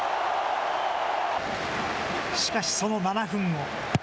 しかし、その７分後。